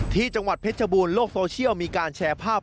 ที่จังหวัดเพชรบูรณโลกโซเชียลมีการแชร์ภาพ